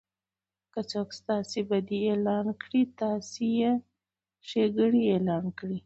که څوک ستاسي بدي اعلان کړي؛ تاسي ئې ښېګړني اعلان کړئ!